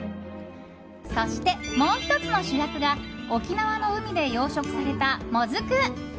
そして、もう１つの主役が沖縄の海で養殖されたモズク。